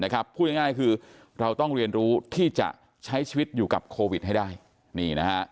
คือเราต้องเรียนรู้ที่จะใช้ชีวิตอยู่กับโควิดให้ได้